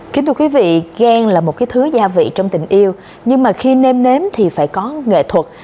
kính thưa quý vị ghen là một cái thứ gia vị trong tình yêu nhưng mà khi nêm nếm thì phải có nghệ thuật